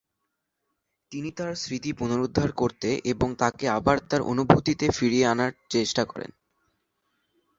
তিনি তার স্মৃতি পুনরুদ্ধার করতে এবং তাকে আবার তার অনুভূতিতে ফিরিয়ে আনার চেষ্টা করেন।